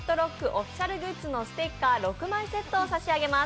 オフィシャルグッズのステッカー６枚セットを差し上げます。